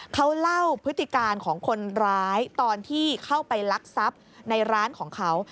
เขาเล่าพฤติการของคนร้ายตอนที่เข้าไปลักทรัพย์ในร้านของเขา